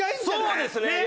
そうですね。